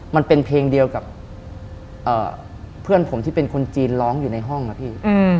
มันเป็นเพลงเดียวกับเพื่อนผมที่เป็นคนจีนร้องอยู่ในห้องนะพี่